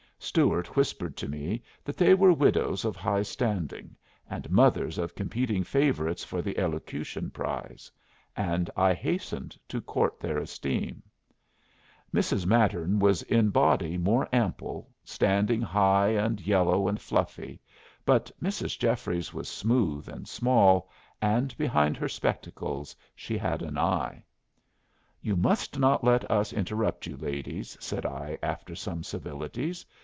Stuart whispered to me that they were widows of high standing, and mothers of competing favorites for the elocution prize; and I hastened to court their esteem. Mrs. Mattern was in body more ample, standing high and yellow and fluffy; but Mrs. Jeffries was smooth and small, and behind her spectacles she had an eye. "You must not let us interrupt you, ladies," said I, after some civilities.